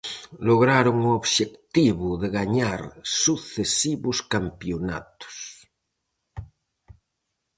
Lograron o obxectivo de gañar sucesivos campionatos.